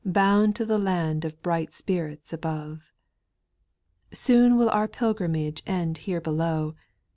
Bound to the land of bright spirits above. 2. Soon will our pilgrimage end here below.